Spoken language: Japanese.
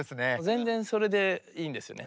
全然それでいいんですよね。